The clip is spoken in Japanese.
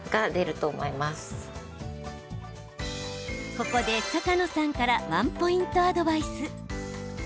ここで、坂野さんからワンポイントアドバイス。